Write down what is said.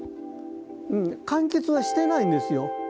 完結はしてないんですよ。